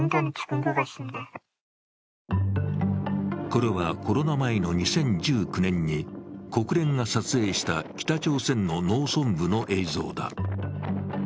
これは、コロナ前の２０１９年に国連が撮影した北朝鮮の農村部の映像だ。